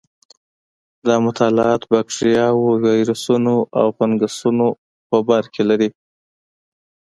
دا مطالعات بکټریاوو، ویروسونو او فنګسونو په برکې لري.